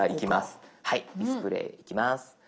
「ディスプレイ」いきます。